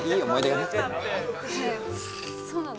南：そうなの？